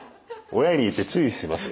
親に言って注意しますよ。